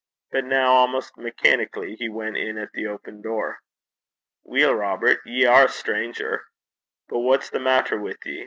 But now, almost mechanically, he went in at the open door. 'Weel, Robert, ye are a stranger. But what's the maitter wi' ye?